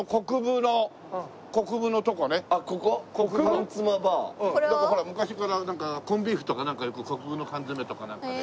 「缶つまＢＡＲ」なんかほら昔からコンビーフとかなんかよく国分の缶詰とかなんかで。